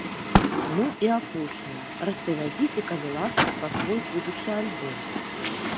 Ну, і апошняе, распавядзіце, калі ласка, пра свой будучы альбом.